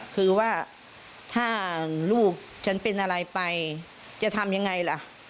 คือว่าถ้าลูกฉันเป็นอะไรไปจะทำยังไงล่ะ